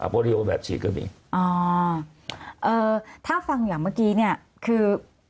อโปรโดโยคแบบฉีกก็มีถ้าฟังอย่างเมื่อกี้คือ